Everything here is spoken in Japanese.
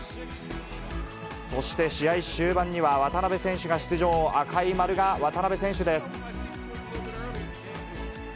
そして試合終盤には、渡邊選手が出場、赤い丸が渡邊選手です。